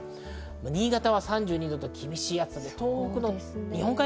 新潟は３２度と厳しい暑さ。